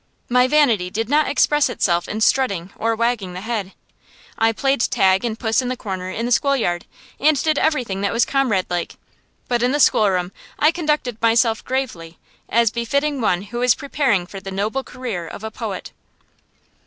My vanity did not express itself in strutting or wagging the head. I played tag and puss in the corner in the schoolyard, and did everything that was comrade like. But in the schoolroom I conducted myself gravely, as befitted one who was preparing for the noble career of a poet.